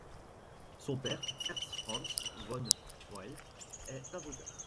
Son père, Ernst Franz von Weisl, est avocat.